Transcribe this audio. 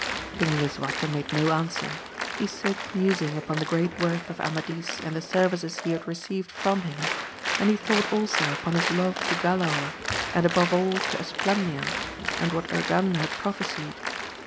Eang Lisuarte made no answer, he sate musing upon the great worth of Amadis and the services he had received from him, and he thought also upon his love to Galaor, and above all to Esplandian, and what Urganda had pro phesied.